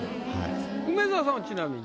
梅沢さんはちなみに。